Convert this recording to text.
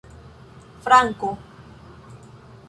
franko